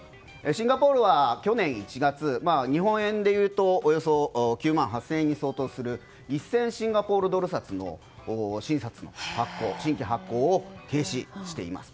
シンガポールは去年１月、日本円でいうとおよそ９万８０００円に相当する１０００シンガポールドル札の新札の新規発行を停止しています。